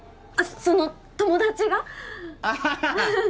その友達がな？